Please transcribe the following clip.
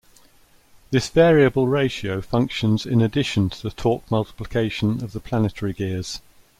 This variable ratio functions in addition to the torque multiplication of the planetary gears.